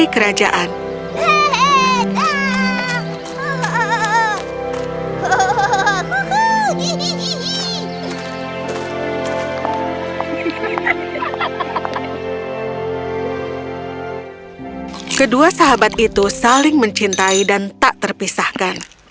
kedua sahabat itu saling mencintai dan tak terpisahkan